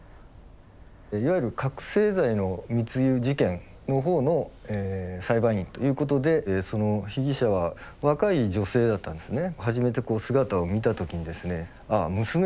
いわゆる覚醒剤の密輸事件の方の裁判員ということでその被疑者は若い女性だったんですね。